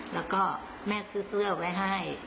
แล้วก็แม่ซื้อเสื้อไว้ให้